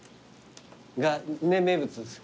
が名物ですか？